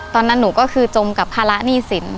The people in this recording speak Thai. ตอนนั้นหนูก็คือจมกับภาระหนี้สิน